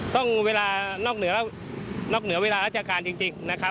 ต้องเวลานอกเหนือเวลาราชการจริง